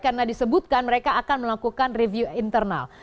karena disebutkan mereka akan melakukan review internal